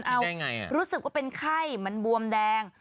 เราทิ้งรู้สึกว่าเป็นไข้งครีท์